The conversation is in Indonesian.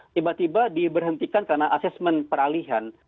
tiba tiba diberhentikan karena asesmen peralihan